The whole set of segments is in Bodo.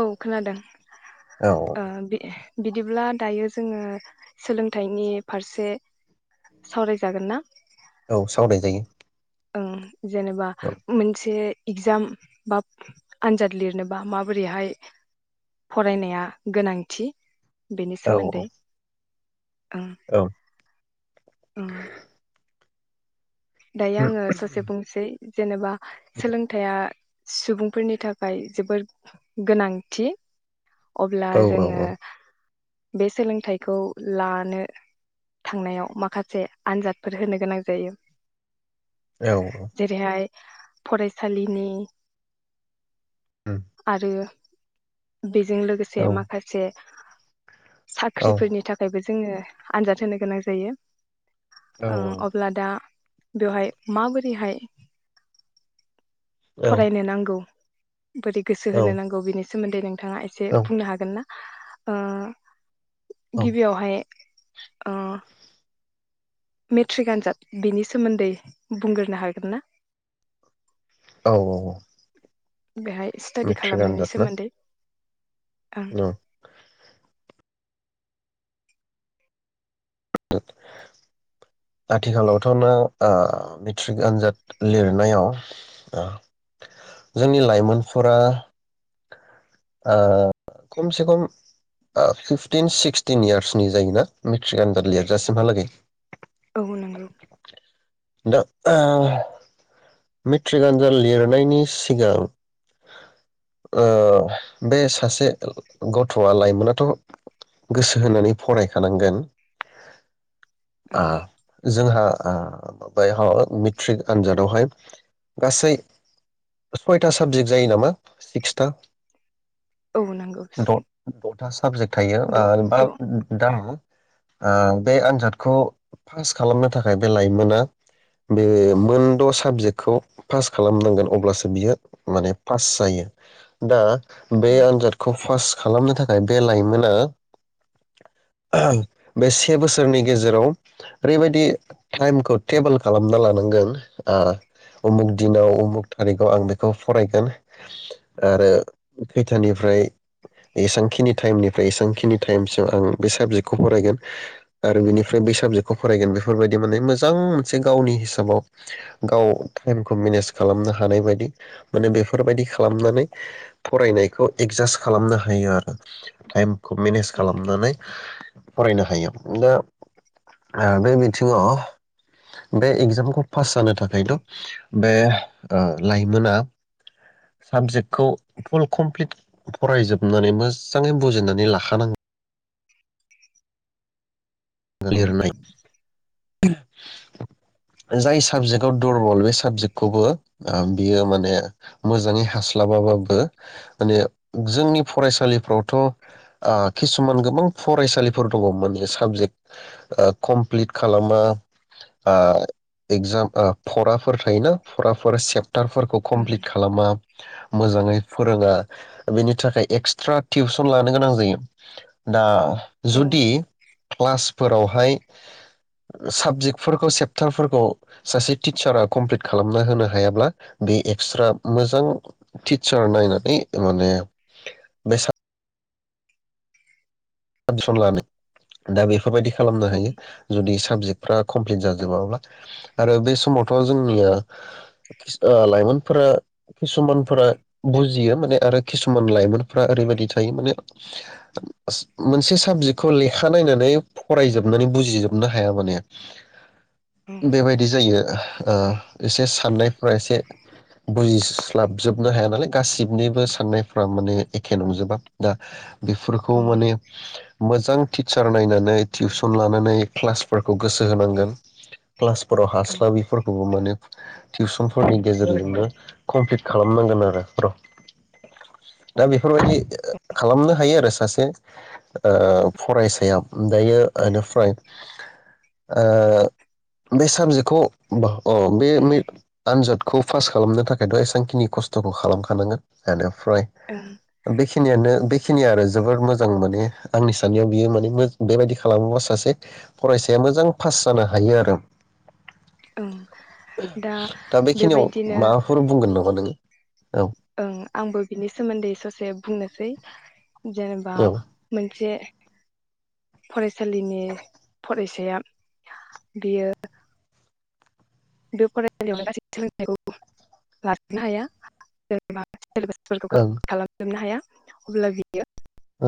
औ खोनादों औ बे बिदिब्ला दायो जोङो सोलोंथाइनि फारसे सावरायजागोन ना औ सावराय जायो ओं जेनेबा मोनसे इगजाम बा आनजाद लिरनोबा माबोरैहाय फरायनाया गोनांथि बेनि औ सोमोन्दै ओं औ ओं दायो आङो ससे बुंसै जेनेबा सोलोंथाया सुबुंफोरनि थाखाय जोबोद गोनांथि अब्ला औ जोङो औ बे सोलोंथाइखौ लानो थांनायाव माखासे आनजादफोर होनो गोनां जायो औ जेरैहाय फरायसालिनि आरो बेजों लोगोसे माखासे साख्रिफोरनि थाखायबो जों जोङो आनजाद होनो गोनां जायो ओं अब्ला दा बेवहाय माबोरैहाय फरायनो नांगौ बोरै गोसो होनो नांगौ बिनिसाइ सोमोन्दै नों नोंथाङा एसे औ बुंनो हागोन ना? ओ औ गिबियावहाय ओह मेट्रिक आन्जाद बेनि सोमोन्दै बुंग्रोनो हागोन ना? औ औ बेहाय स्टाडि मेट्रिक आनजाद खालामनायनि ना सोमोन्दै आं औ आथिखालावथ' नों ओ मेट्रिक आनजाद लिरनायाव ओह जोंनि ओह लाइमोनफोरा खमसे खम फिफटिन सिक्सटिन इयार्सनि जायोना मेट्रिक आन लिरजासिमहालागै औ नंगौ दा ओ मेट्रिक आनजाद लिरनायनि सिगां ओ बे सासे गथ'आ लाइमोनाथ' गोसो होनानै फरायखानांगोन। आ ओं जोंहा ओ बायहा मेट्रिक आनजादावहाय गासै सयथा साबजेक्ट जायो नामा सिक्सथा? औ नोंगौ। टा साबजेक्ट थायो ओ बा उम उम दाम ओ बे आनजादखौ पास खालामनो थाखाय बे लाइमोना बे मोनद' साबजेक्ट खौ पास खालामनांगोन अब्लासो बियो माने पास जायो। दा बे ओं आनजादखौ फास्ट खालामनो थाखाय बे लाइमोना बे से बोसोरनि गेजेराव ओरैबायदि टाइमखौ टेबोल खालामना लानांगोन ओह उमुख दिनाव उमुख थारिखआव आं बेखौ फरायगोन आरो खैथानिफ्राय एसांखिनि टाइमनिफ्राय एसांखिनि टाइमसिम आं बे साबजेक्टखौ फरायगोन आरो बेनिफ्राय बै साबजेक्टखौ फरायगोन बेफोरबायदि माने मोजां मोनसे गावनि हिसाबाव गाव टाइमखौ मेनेज खालामनो हानाय बायदि माने बेफोरबायदि खालामनानै फरायनायखौ एडजास्ट खालामनो हायो आरो टाइम खौ मेनेज औ खालामनानै फरायनो हायो दा आह बे बिथिङाव बे एगजामखौ पास जानो थाखायल' बे ओ लाइमोना साबजेक्टखौ फुल कमप्लिट फरायजोबनानै मोजाङै बुजिनानै लाखानांगौ। औ ओं लिरनाय जाय साबजेक्टआव दुरबल बे साबजेक्टखौबो बियो माने मोजाङै हास्लाबाबाबो माने जोंनि फरायसालिफ्रावथ' ओ किसुमान गोबां फरायसालिफोर दङ माने साबजेक्ट ओ कमप्लिट खालामा बा एक्जाम ओ फराफोर थायोना फराफोर सेप सेपटारफोरखौ कमप्लिट खालामा मोजाङै फोरोङा बेनि थाखाय एक्सट्रा टिउसन लानो गोनां जायो दा औ जुदि क्लास फोरावहाय साबजेक्टफोरखौ सेपटारफोरखौ सासे टिचारा कमप्लिट खालामना होनो हायाब्ला बे एक्सट्रा मोजां टिचार नायनानै माने बे सा सन लानो दा बे बेफोरबायदि खालामनो औ हायो जुदि साबजेक्टफ्रा कमप्लिट जाजोबाब्ला आरो बे समावथ' जोंनिया ओ लाइमोनफोरा किसुमानफोरा बुजियो माने आरो किसुमान लाइमोनफोरा ओरैबायादि थायो माने मोनसे साबजेक्टखौ लेखा नायनानै फरायजोबनानै बुजिजोबनो हाया माने बेबायदि जायो आरो ओ एसे साननायफोरा एसे बुजिस्लाबजोबनो हाया नालाय गासिनिबो साननायफ्रा माने एखे नंजोबा दा बेफोरखौ माने मोजां टिचार नायनानै टिउसन लानानै क्लासफोरखौ गोसो होनांगोन क्लासफोराव औ हास्लाबैफोरखौबो मोनो टिउसनफोरनि गेजेरजोंनो कमप्लिट खालामनांगोन आरो दा बेफोरबायदि खालामनो हायो आरो सासे ओ फरायसाया दायो इनिफ्राय ओ बे साबजेक्टखौ अ बे आन्जादखौ पास खालामनो थाखायथ' एसेबांखिनि खस्थ'खौ खालामखानांगोन ओमफ्राय ओं बेखिनियानो बे बेखिनि आरो जोबोर मोजां मोजां माने आंनि साननायाव बियो माने बेबायदि खालामोबा सासे फरायसाया मोजां पास जानो हायो आरो ओं दा बेखिनियाव माबाफोर बुंगोन नामा नोङो ओम आंबो बिनि सोमोन्दै ससे बुंनोसै जेनेबा औ मोनसे फरायसालिनि फरायसाया बियो बे फरायसालियावनो गासै सोलोंथायखौ लाजोबनो हाया जे सिलेबासफोरखौ कमप्लिट खालामजोबनो हाया अब्ला बियो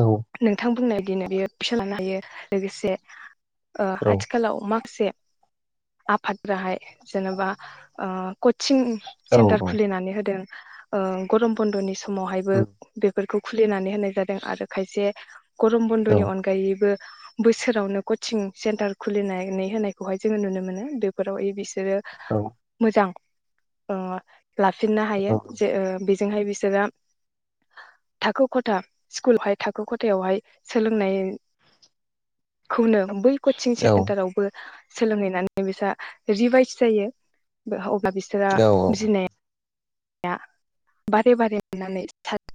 ओं नोंथां बुंनाय बिदिनो बेयो फिसा लानो हायो लोगोसे ओ औ आथिखालाव मा से आफाद ग्राहाय जेनेबा ओ खथ चिं औ सेन्टार खुलिनानै होदों ओ गरम बन्द'नि सम समावहायबो उम बेफोरखौ खुलिनानै होनाय जादों आरो खायसे गरम औ बन्द'नि अनगायैबो बोसोरावनो कचिं सेन्टार खुलिनानै होनायखौहाय जोङो नुनो मोनो बेफोराव ए बि सि बिसोरो मोजां अ लाफिननो हायो जे ओ जोंहाय बिसोरो थाखो खथा स्कुलहाय थाखो खथायावहाय सोलोंनाय खौनो बै कचिं औ सेन्टारावबो सोलोंहैनानै बिसा रिभाइस सिथायो अब होमा बिसोरा औ बुजिनाया आं बारे बारे मोननानै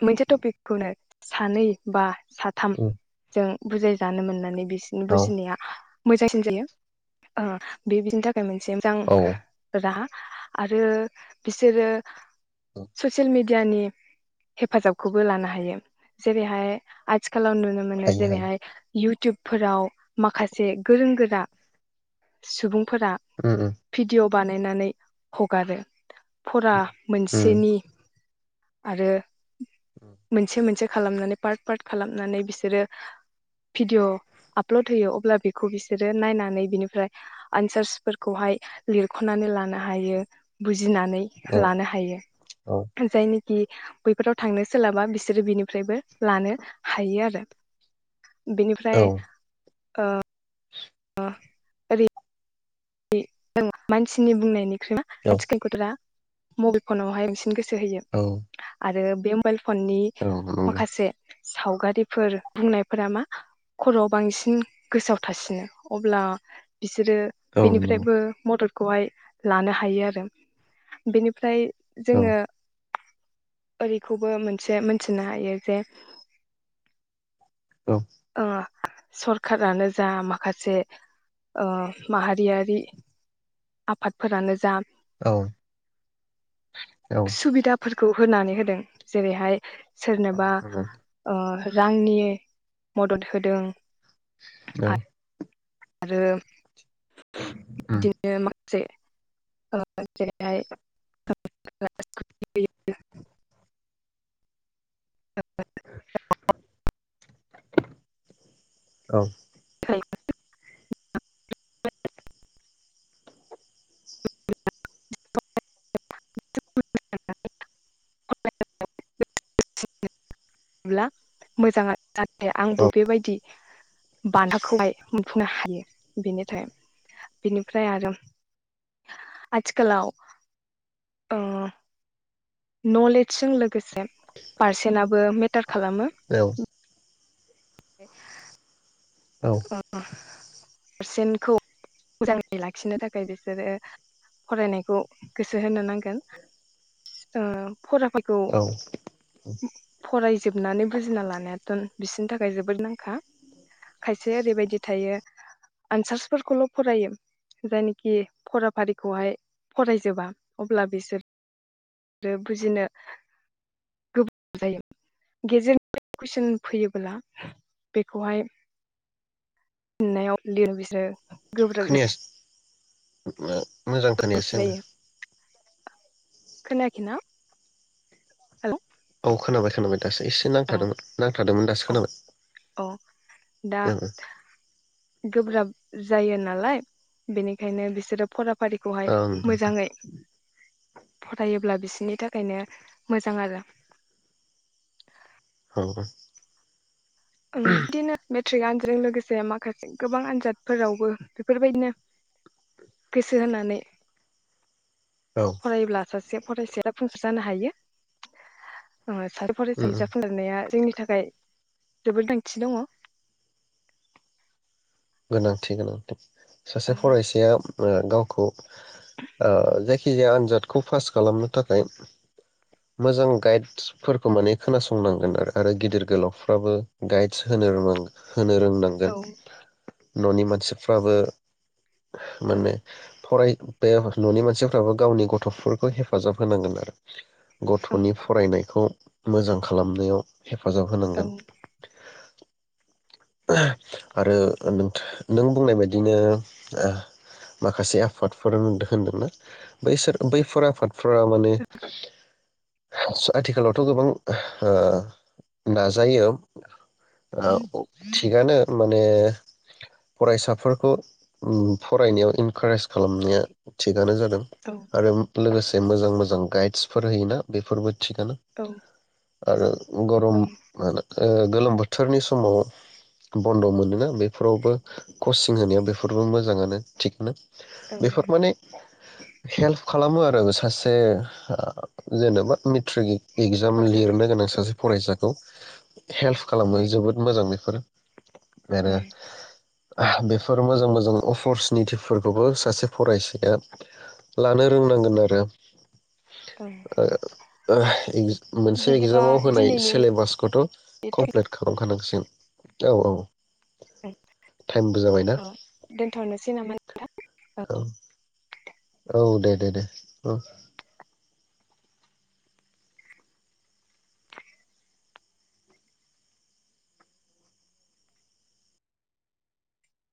मोनसे टपिकखौनो सानै बा उम साथामजों बुजाय जानो मोननानै बि [unintelligible] बिसिनि औ बुजिनाया मोजांसिन जायो ओ बे बिदिनो थाखाय बे मोनसे मोजां औ राहा आरो बिसोरो ससियेल मिडिया नि हेफाजाबखौबो लानो हायो जेरैहाय आथि खालाम नुनो मोनो हायो हायो जेरैहाय इउटुबफोराव माखासे गोरों गोरा सुबुं फोरा उम उम भिडिअ बानाय नानै हगारो फुरा उम मोनसेनि आरो मोनसे मोनसे खालामनानै पार्ट पार्ट खालामनानै बिसोरो भिडिअ आपलड होयो अब्ला बेखौ बिसोरो नायनानै बिनिफ्राय आनसार्सफोरखौहाय लिरख'नानै लानो हायो बुजि गिनानै औ लानो हायो जाय बैफोराव थांनो सोलाबा बिसोरो बिनिफ्रायबो लानो हायो आरो औ बेनिफ्राय आ [unintelligible] आरो [unintelligible] मानसिनि बुंनायनि औ [unintelligible] मबाइल फनावहाय [unintelligible] सो होयो औ आरो [unintelligible] फननि औ नंगौ माखासे सावगारिफोर बुंनायफोरा मा खर'आव बांसिन गोसोआव थासिनो अब्ला बिसोरो औ नंगौ बेनिफ्रायबो मदद खौहाय लानो हायो आरो बेनिफ्राय औ जोङो ओरैखौबो मोनसे मोनथिनो हायो जे औ ओ सरखारानो जा माखासे अ माहारियारि आफादफोरानो जा औ औ फोरखौ होनानै होदों जेरैहाय सोरनोबा अ रांनि मदद होदों औ आरो बिदिनो माखा से [unintelligible] [inaudible] औ [unintelligible] [inaudible] [inaudible] ब्ला मोजाङानो नाथाय आंबो बेबायदि बान्थाखौहाय मोनफुंनो हायो बेनिथाखाय बेनिफ्राय आरो आथिखालाव नलेजजों लोगोसे पार्सेनाबोे खालामो औ औ [inaudible] अ औ पारसेन्टखौ मोजाङै लाखिनो थाखाय बिसोरो फरायनायखौ गोसो होनो नांगोन ओ फराफोरखौ औ फरायजोबनानै बुजिना लानायाथ' बिसोरनि थाखाय जोबोद नांखा खायसे ओरैबायदि थायो आनसार्सफोरखौल' फरायो जायनाखि फराफारिखौहाय फरायजोबा अब्ला बिसोरो बुजिनो गोब्राब जायो गेजेर कुइसन फैयोब्ला बेखौहाय [unintelligible] लिरो बिसोरो गोब्राब [inaudible] खोनायासै [inaudible] मोजां खोनायासो आङो खोनायाखै ना हेलौ [unintelligible] दासो एसे नांथादोंमोन नांथादोंमोन दासो औ औ दा खोनाबाय ओ गोब्राब जायो नालाय बेनिखायनो बिसोरो फरा टिखौहाय ओं मोजाङै फरायोब्ला बिसिनि थाखायनो मोजां आरो। औ [unintelligible] उम बिदिनो बे ट्रिक आनजों लोगोसे माखासे गोबां आनजादफोरावबो बेफोरबायदिनो गोसो होनानै औ फरायोब्ला सासे फरायसाया फ जानो हायो सा उम, फरायसा उम. हिसाबखौ लिरनाया जोंनि [unintelligible] थाखाय जोबोर गोनांथि दङ। गोनांथि गोनांथि सासे औ फरायसाया ओ गावखौ अ जा खिजाया आनजादखौ फास खालामनो थाखाय मोजां गाइदसफोरखौ माने खोनासंनांगोन आरो आरो गिदिर गोलावफोराबो गाइड्स होनो रोंनांगौ। होनो औ रोंनांगोन। न'नि मानसिफोराबो औ माने फराय बे न'नि मानसिफ्राबो गावनि गथ'फोरखौ हेफाजाब होनांगोन आरो। गथ'नि फरायनायखौ मोजां खालामनायाव हेफाजाब औ होनांगोन। आरो नों बुंनाय बायदिनो माखासे आफादफोर होनदोंना बैसोर बैफोर आफाद फ्रा माने आथिखालावथ' गोबां ओ नाजायो। थिगानो माने फरायसाफोरखौ फरायनायाव इनकारेज खालामनाया थिग गानो जादों आरो लोगोसे मोजां मोजां गाइदसफोर होयोना बेफोरबो थिना औ आरो गरम औ होनो ओ गोलोम बोथोरनि समाव बन्द' मोनोना बेफोरावबो कचिं होनाया बेफोरबो मोजाङानो थिकनो औ बेफोर माने हेल्प खालामो आरो सासे जेनेबा मेट्रिक इगजाम फरायसाखौ लिरनो गोनां सासे फरायसाखौ हेल्प खालामो औ जोबोद मोजांनो [unintelligible] आरो औ [unintelligible] बेफोर मोजां मोजां अपरसुनिटिफोरखौबो सासे फरायसाया लानो रोंनांगोन आरो औ [unintelligible] मोनसे बिदिबा एगजामाव होनाय दिनैनि सेलेबासखौथ' कमप्लेट खालाम खानांसिन। औ औ टाइमबो जाबायना [unintelligible] औ दोनथ'नोसै नामा नोंथां औ औ दे दे दे ओ